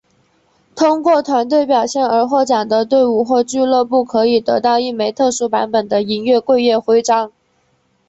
通过团队表现而获奖的队伍或俱乐部可以得到一枚特殊版本的银月桂叶徽章。